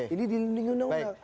ini dilindungi undang undang